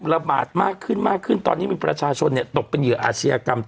ระบาดมากขึ้นมากขึ้นตอนนี้มีประชาชนเนี่ยตกเป็นเหยื่ออาชญากรรม